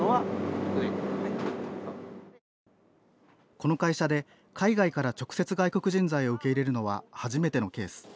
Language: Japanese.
この会社で海外から直接外国人材を受け入れるのは初めてのケース。